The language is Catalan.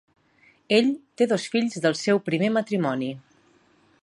Ell té dos fills del seu primer matrimoni.